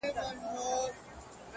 د ځانونو پر اصلاح او پرمختګ کار وکړو